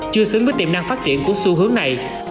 chưa xứng với tiềm năng phát triển của xu hướng này